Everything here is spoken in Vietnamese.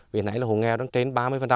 hiện nay là hồ nghèo đang trên ba mươi